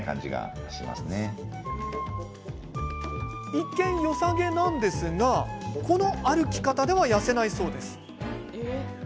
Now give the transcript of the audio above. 一見、よさげなんですがこの歩き方では痩せないそうです。